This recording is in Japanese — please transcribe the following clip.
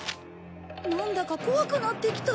なんだか怖くなってきた。